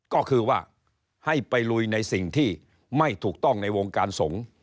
ก็คือว่าให้ไปลุยในสิ่งที่ไม่ถูกต้องในวงการสงฆ์